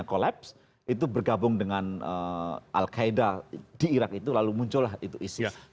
lalu kemudian itu terkoneksi itu bergabung dengan al qaeda di iraq itu lalu muncullah isis